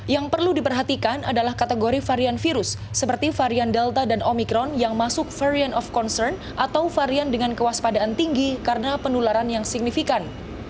yang perlu diperhatikan adalah kategori varian virus seperti varian delta dan omikron yang masuk varian of concern atau varian dengan kewaspadaan tinggi karena penularan yang signifikan